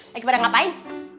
lagi pada ngapain